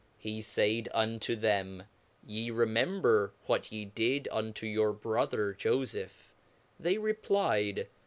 He faid unto them , Ye remember what ye did unto your bro ther Jofeph : They replyed.